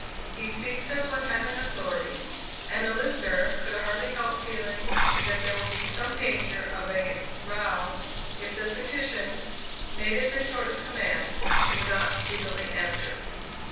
He speaks as one having authority; and a listener could hardly help feeling that there would be some danger of a "row" if the petitions (made as a sort of command) were not speedily answered.